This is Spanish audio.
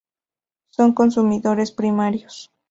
Son consumidores primarios.